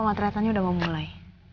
pemotretannya udah mau mulai